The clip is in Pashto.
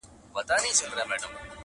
فضا له وېري او ظلم ډکه ده او درنه ده,